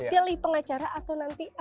pilih pengacara atau nanti